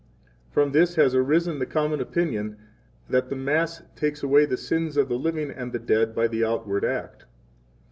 From this has arisen the common opinion that the Mass 23 takes away the sins of the living and the dead by the outward act.